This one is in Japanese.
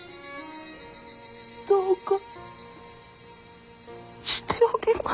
どうかしておりました。